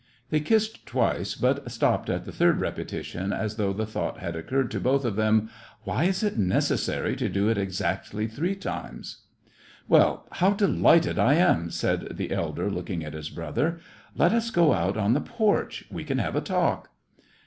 They kissed twice, but stopped at the third rep etition as though the thought had occurred to both of them :—*' Why is it necessary to do it exactly three times ?"" Well, how delighted I am !" said the elder, looking at his brother. "Let us go out on the porch ; we can have a talk."